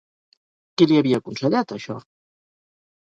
Qui li havia aconsellat, això?